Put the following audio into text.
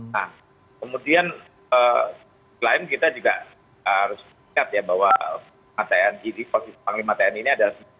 nah kemudian lain kita juga harus ingat ya bahwa atn ini posisi panglima atn ini adalah